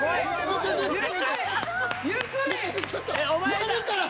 やるから！